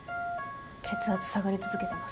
血圧下がり続けてます。